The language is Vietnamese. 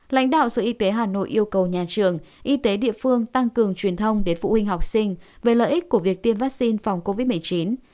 lãnh đạo sở y tế hà nội yêu cầu nhà trường y tế địa phương tăng cường truyền thông đến phụ huynh học sinh về lợi ích của việc tiêm vaccine phòng covid một mươi chín